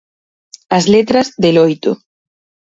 As letras, de loito.